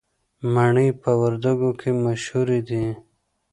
مڼې په وردګو کې مشهورې دي